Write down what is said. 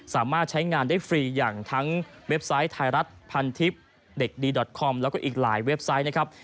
สามารถใช้งานได้ฟรีอย่างทั้งเว็บไซต์ไทยรัฐพันทิพย์เด็กดีดอทคอมแล้วก็อีกหลายเว็บไซต์นะครับ